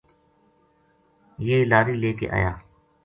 یہ لاری لے کے آیا